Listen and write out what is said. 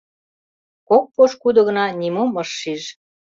Кок пошкудо гына нимом ыш шиж.